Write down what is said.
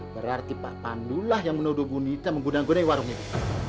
berarti pak pandu lah yang menodoh bu nita menggunang gunai warung ini